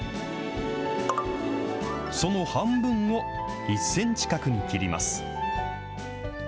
その半分を１センチ角に切ります。